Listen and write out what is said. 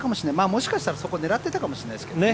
もしかしたら、そこを狙ってたかもしれないですけどね。